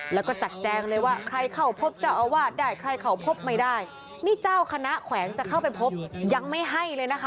แล้วก็จัดแจงเลยว่าใครเข้าพบเจ้าอาวาสได้ใครเข้าพบไม่ได้นี่เจ้าคณะแขวงจะเข้าไปพบยังไม่ให้เลยนะคะ